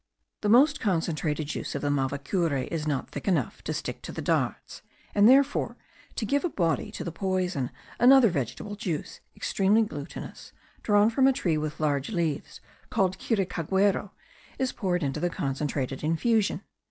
The most concentrated juice of the mavacure is not thick enough to stick to the darts; and therefore, to give a body to the poison, another vegetable juice, extremely glutinous, drawn from a tree with large leaves, called kiracaguero, is poured into the concentrated infusion.